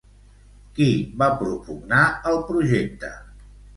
Qui va propugnar el projecte?